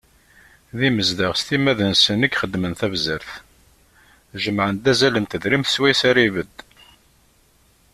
D imezdaɣ s timmad-nsen i ixeddmen tabzert, jemmɛen-d azal n tedrimt swayes ara ibedd.